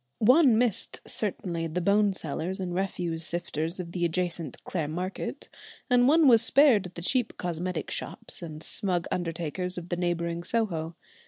One missed certainly the bone sellers and refuse sifters of the adjacent Clare Market, and one was spared the cheap cosmetic shops and smug undertakers of the neighbouring Soho.